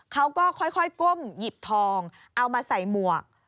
เขาก็ค่อยก้มหยิบทองเอามาใส่หมวก